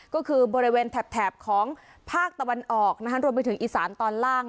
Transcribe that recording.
ก็คือบริเวณแถบของภาคตะวันออกรวมไปถึงอีสานตอนล่าง